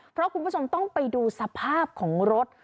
เพราะคุณผู้ชมต้องไปดูสภาพของรถ